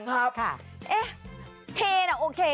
ครับค่ะเอ๊ะเท่นั่วโอเค